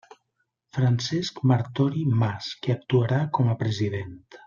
Francesc Martori Mas, que actuarà com a president.